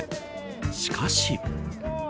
しかし。